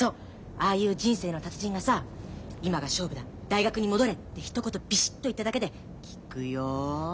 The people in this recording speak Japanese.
ああいう人生の達人がさ「今が勝負だ大学に戻れ」ってひと言ビシッと言っただけで効くよ。